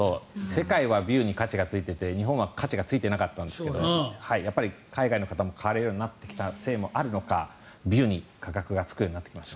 世界はビューに価値がついていて日本は価値がついていなかったんですけど海外の方も買われるようになってきたこともあるのか